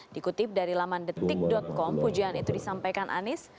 dikutip dari laman detik com pujian itu disampaikan anies